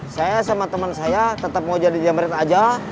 saya sama temen saya tetap mau jadi jamret aja